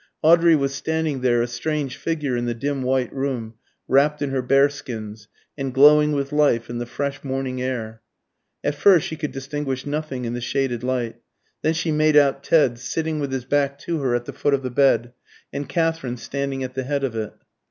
Audrey was standing there, a strange figure in the dim white room, wrapped in her bearskins, and glowing with life and the fresh morning air. At first she could distinguish nothing in the shaded light. Then she made out Ted, sitting with his back to her at the foot of the bed, and Katherine standing at the head of it.